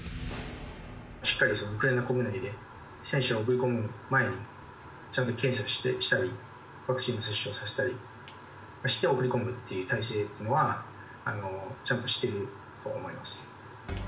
しっかりウクライナ国内で選手を送り込む前にちゃんと検査したりワクチンの接種をさせたりして送り込むっていう体制っていうのはちゃんとしていると思います。